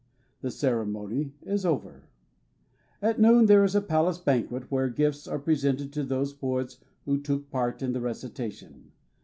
The ceremony is over. At noon there is a palace banquet, where gifts are presented to those poets who took part in the recitation.